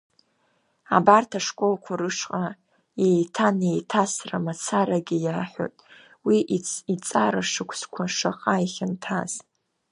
Абарҭ ашколқәа рышҟа иеиҭанеиҭасра мацарагьы иаҳәоит уи иҵарашықәсқәа шаҟа ихьанҭаз.